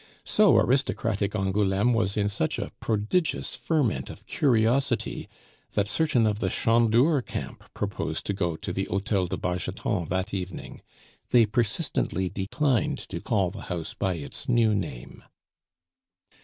So aristocratic Angouleme was in such a prodigious ferment of curiosity, that certain of the Chandour camp proposed to go to the Hotel de Bargeton that evening. (They persistently declined to call the house by its new name.)